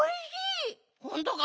ほんとか！？